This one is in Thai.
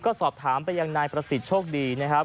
ก็สอบถามไปยังนายประสิทธิ์โชคดีนะครับ